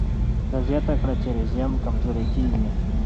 ده زیاته کړه چې رژیم کمزوری کېږي.